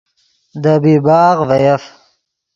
دے بیباغ ڤے یف